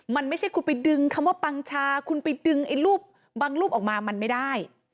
มันไม่ใช่คุณไปดึงคำว่าปังชาคุณไปดึงไอ้รูปบางรูปออกมามันไม่ได้